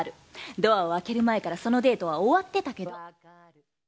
ドアを開ける前からそのデートは終わってたけど。